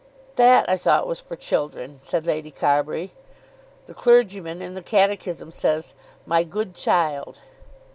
"That, I thought, was for children," said Lady Carbury. "The clergyman, in the catechism, says, 'My good child.'"